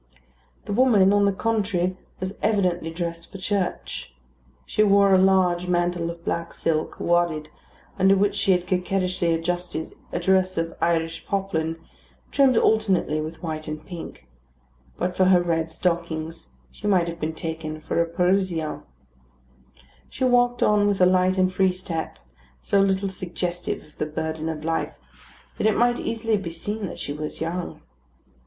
The woman, on the contrary, was evidently dressed for church. She wore a large mantle of black silk, wadded, under which she had coquettishly adjusted a dress of Irish poplin, trimmed alternately with white and pink; but for her red stockings, she might have been taken for a Parisian. She walked on with a light and free step, so little suggestive of the burden of life that it might easily be seen that she was young.